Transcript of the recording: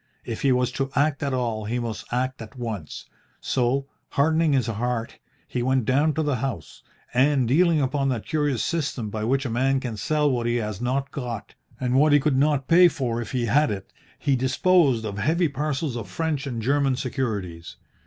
If he was to act at all he must act at once, so, hardening his heart, he went down to the house, and, dealing upon that curious system by which a man can sell what he has not got, and what he could not pay for if he had it, he disposed of heavy parcels of French and German securities.